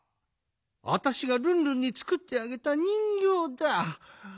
あたしがルンルンにつくってあげたにんぎょうだ！